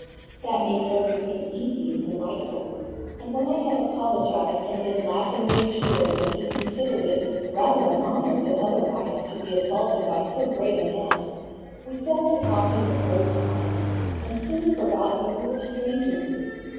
"That made everything easy and delightful, and when I had apologized and been laughingly assured that he considered it rather an honor than otherwise to be assaulted by so great a man, we fell to talking of old times, and soon forgot that we were strangers.